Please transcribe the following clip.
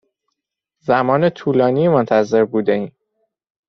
زمان طولانی منتظر بوده ایم.